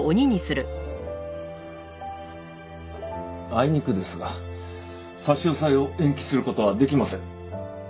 あいにくですが差し押さえを延期する事はできません。